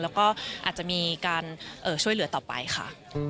แล้วก็อาจจะมีการช่วยเหลือต่อไปค่ะ